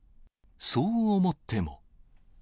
そう思っても。